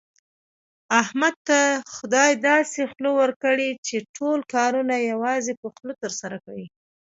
احمد ته خدای داسې خوله ورکړې، چې ټول کارونه یوازې په خوله ترسره کوي.